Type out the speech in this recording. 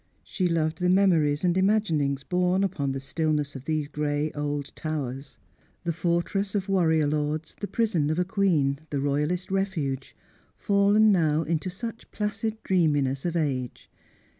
She loved the memories and imaginings borne upon the stillness of these grey old towers. The fortress of warrior lords, the prison of a queen, the Royalist refuge fallen now into such placid dreaminess of age.